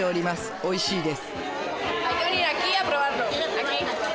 おいしいです。